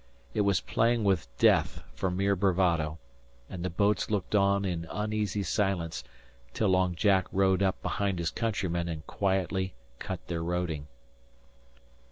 It was playing with death for mere bravado; and the boats looked on in uneasy silence till Long Jack rowed up behind his countrymen and quietly cut their roding.